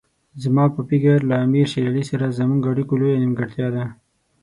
زما په فکر له امیر شېر علي سره زموږ اړیکو لویه نیمګړتیا ده.